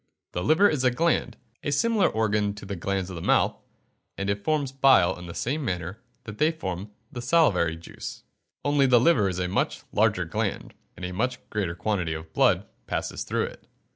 The liver is a gland a similar organ to the glands of the mouth and it forms bile in the same manner that they form the salivary juice. Only the liver is a much larger gland, and a much greater quantity of blood passes through it.